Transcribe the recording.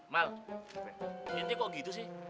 mal intinya kok gitu sih